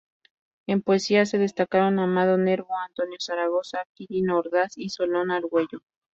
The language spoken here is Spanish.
En poesía, se destacaron Amado Nervo, Antonio Zaragoza, Quirino Ordaz y Solón Argüello.